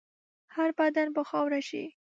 هر بدن به خاوره شي.